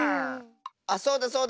あっそうだそうだ。